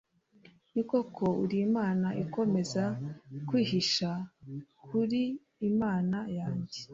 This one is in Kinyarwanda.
Ni koko uri Imana ikomeza kwihisha k uri Imana yanjye